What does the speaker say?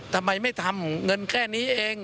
ทำไมไม่ทำเงินแค่นี้เอง